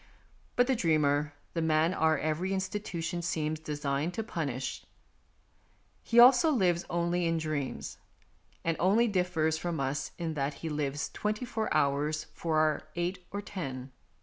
But the dreamer, the man our every institution seems designed to punish, he also lives only in dreams, and only differs from us in that he lives twenty four hours for our eight or ten.